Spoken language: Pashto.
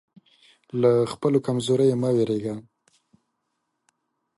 له خپلو کمزوریو مه وېرېږئ.